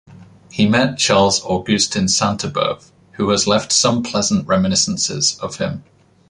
He met Charles Augustin Sainte-Beuve, who has left some pleasant reminiscences of him.